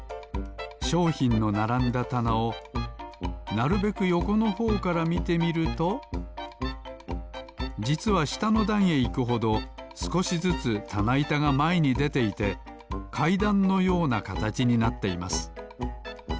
しょうひんのならんだたなをなるべくよこのほうからみてみるとじつはしたのだんへいくほどすこしずつたないたがまえにでていてかいだんのようなかたちになっています。